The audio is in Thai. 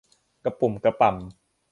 กระปุ่มกระป่ำ